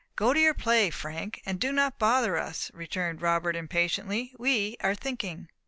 "Go to your play, Frank, and do not bother us," returned Robert, impatiently; "we are thinking."